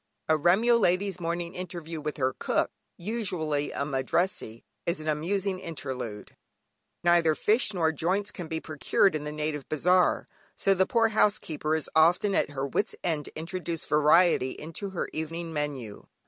A Remyo lady's morning interview with her cook, usually a Madrassee, is an amusing interlude. Neither fish nor joints can be procured in the native bazaar, so the poor housekeeper is often at her wits' end to introduce variety into her evening menu.